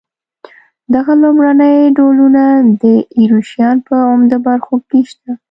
دغه لومړني ډولونه د ایروشیا په عمده برخو کې شته.